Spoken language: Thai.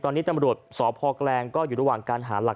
ตอนนี้ตำรวจสพแกลงก็อยู่ระหว่างการหาหลัก